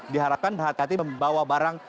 diharapkan bahagia membawa barang